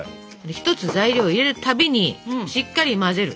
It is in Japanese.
１つ材料を入れるたびにしっかり混ぜる。